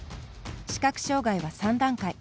視覚障がいは３段階。